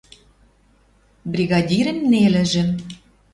Бригадирӹн нелӹжӹм.